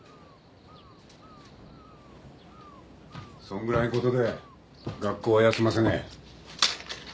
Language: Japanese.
そんぐらいのことで学校は休ませねえ。